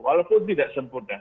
walaupun tidak sempurna